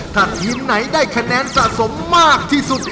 ถ้าทีมไหนได้คะแนนสะสมมากที่สุด